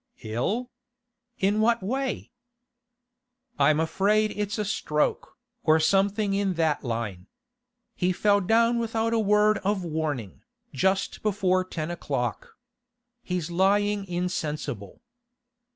'Ill? In what way?' 'I'm afraid it's a stroke, or something in that line. He fell down without a word of warning, just before ten o'clock. He's lying insensible.